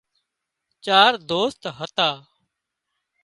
چار دوست هتا